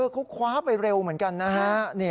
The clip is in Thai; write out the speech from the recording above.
เขาคว้าไปเร็วเหมือนกันนะฮะ